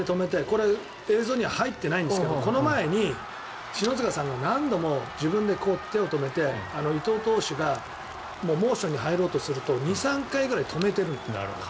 これ、映像には入ってないんですけどこの前に篠塚さんが何度も自分でこうやって手を止めて伊藤投手がモーションに入ろうとすると２３回くらい止めてる。